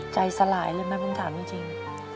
ใจสลายเลยไหมผมถามจริง